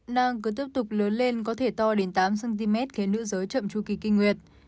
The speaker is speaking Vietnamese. nang cứ tiếp tục lớn lên có thể to đến tám cm khiến nữ giới chậm tru kỳ kinh nguyệt